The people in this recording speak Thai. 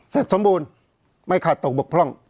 สมบูรณ์ไม่ขาดตกบกพร่อง